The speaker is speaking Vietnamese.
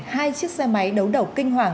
hai chiếc xe máy đấu đầu kinh hoàng